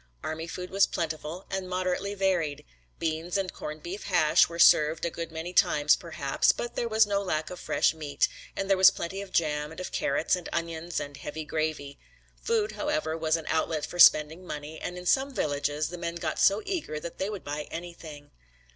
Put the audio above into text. Army food was plentiful and moderately varied. Beans and corned beef hash were served a good many times perhaps, but there was no lack of fresh meat and there was plenty of jam and of carrots and onions and heavy gravy. Food, however, was an outlet for spending money and in some villages the men got so eager that they would buy anything.